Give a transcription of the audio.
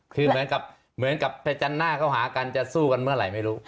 คือเหมือนกับเหมือนกับประจันหน้าเข้าหากันจะสู้กันเมื่อไหร่ไม่รู้